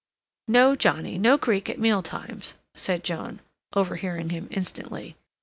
"No, Johnnie, no Greek at meal times," said Joan, overhearing him instantly.